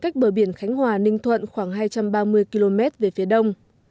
cách bờ biển khánh hòa ninh thuận khoảng hai trăm ba mươi km về phía đông